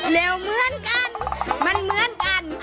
แล้วเหมือนกันมันเหมือนกัน